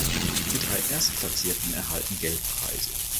Die drei Erstplatzierten erhalten Geldpreise.